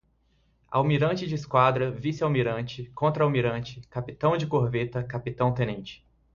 Almirante de Esquadra, Vice-Almirante, Contra-Almirante, Capitão de Corveta, Capitão-Tenente